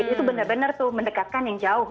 itu benar benar tuh mendekatkan yang jauh